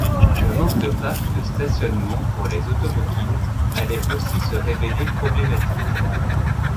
Le manque de parcs de stationnement pour les automobiles allait aussi se révéler problématique.